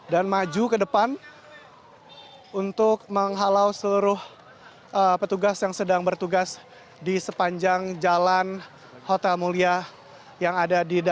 dan maju ke depan untuk menghalau seluruh petugas yang sedang bertugas di sepanjang jalan hotel mulia yang ada di sana